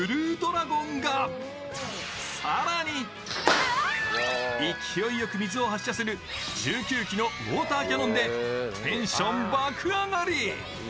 更に更に勢いよく水を発射する１９基のウォーターキャノンでテンション爆上がり。